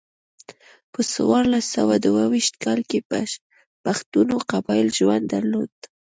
په څوارلس سوه دوه ویشت کال کې پښتنو قبایلي ژوند درلود.